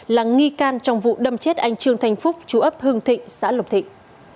là nghi can trong vụ đâm chết anh trương thanh phúc chú ấp hưng thịnh xã lộc thịnh